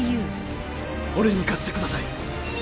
俺に行かせてください